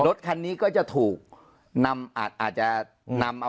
รถคันนี้ก็จะถูกนำอาจจะนำเอาไปไหนนะครับ